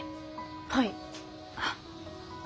はい。